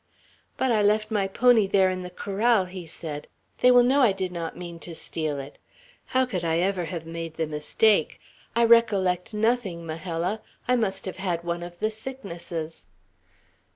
"But I left my pony there in the corral," he said. "They will know I did not mean to steal it. How could I ever have made the mistake? I recollect nothing, Majella. I must have had one of the sicknesses."